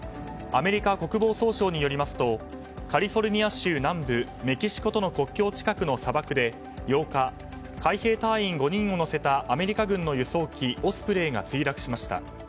アメリカ国防総省によりますとカリフォルニア州南部メキシコとの国境近くの砂漠で８日、海兵隊員５人を乗せたアメリカ軍の輸送機オスプレイが墜落しました。